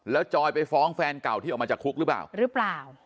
แล้วจอยไปฟ้องแฟนเก่าที่ออกมาจากคุกหรือเปล่า